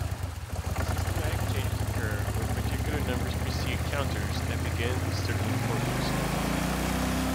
Systematic changes occur when particular numbers precede counters that begin with certain phonemes.